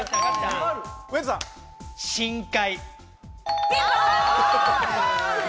深海。